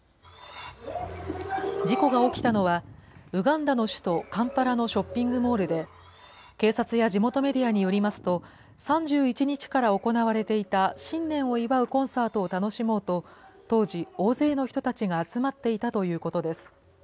事故が起きたのは、ウガンダの首都カンパラのショッピングモールで、警察や地元メディアによりますと、３１日から行われていた新年を祝うコンサートを楽しもうと、当時、大勢の人たちが集まっていたということです。